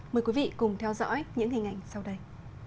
mời quý vị cùng theo dõi những hình ảnh sau đây